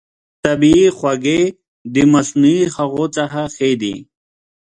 طبیعي خوږې د مصنوعي هغو څخه ښه دي.